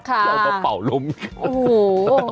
เขาก็เป่าลมอยู่